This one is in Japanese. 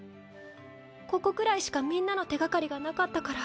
ここくらいしかみんなの手がかりがなかったから。